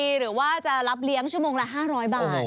หรือว่าจะรับเลี้ยงชั่วโมงละ๕๐๐บาท